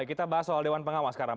kita bahas soal dewan pengawas sekarang